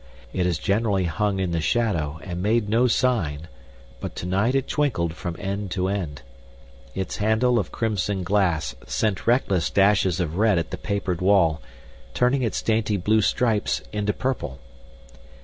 It is generally hung in the shadow and made no sign, but tonight it twinkled from end to end. Its handle of crimson glass sent reckless dashes of red at the papered wall, turning its dainty blue stripes into purple.